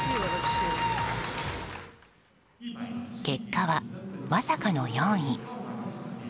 結果は、まさかの４位。